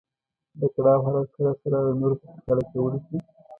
د کړاو حالت سره سره د نورو په خوشاله کولو کې.